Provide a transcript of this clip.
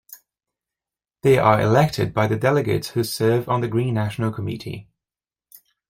They are elected by the delegates who serve on the Green National Committee.